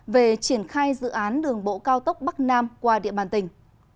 về triển khai dự án đường bộ cao tốc bắc nam qua địa bàn tỉnh